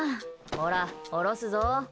ほら、下ろすぞ。